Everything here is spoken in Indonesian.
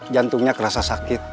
jantungnya kerasa sakit